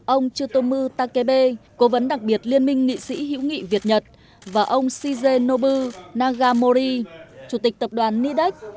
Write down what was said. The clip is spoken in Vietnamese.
ông chutomu takebe cố vấn đặc biệt liên minh nghị sĩ hữu nghị việt nhật và ông shizenobu nagamori chủ tịch tập đoàn nidex